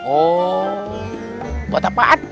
oh buat apaan